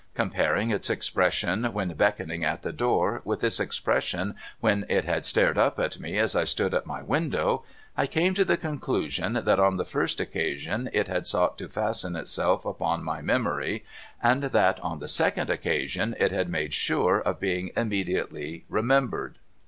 Comparing its expression when beckoning at the door with its expression when it had stared up at me as I stood at my window, I came to the conclusion that on the first occasion it had sought to fasten itself upon my memory, and that on the second occasion it had made sure of being immediately remembered.